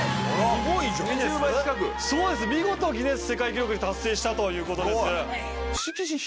すごいです見事ギネス世界記録に達成したということです。